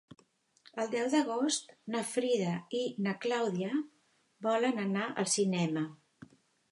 El deu d'agost na Frida i na Clàudia volen anar al cinema.